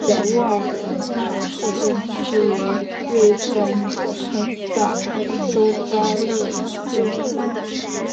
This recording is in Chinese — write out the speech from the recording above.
小沃尔纳特镇区为位在美国堪萨斯州巴特勒县的镇区。